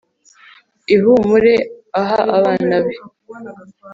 ihumure aha abana be